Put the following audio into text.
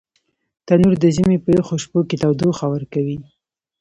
تنور د ژمي په یخو شپو کې تودوخه ورکوي